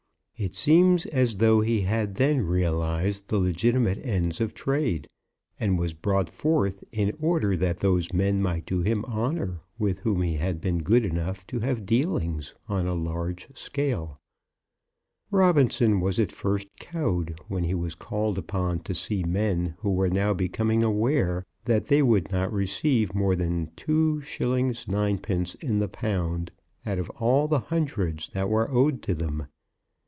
It seems as though he had then realized the legitimate ends of trade, and was brought forth in order that those men might do him honour with whom he had been good enough to have dealings on a large scale. Robinson was at first cowed when he was called upon to see men who were now becoming aware that they would not receive more than 2_s._ 9_d._ in the pound out of all the hundreds that were owed to them.